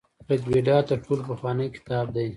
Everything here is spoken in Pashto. ریګویډا تر ټولو پخوانی کتاب دی.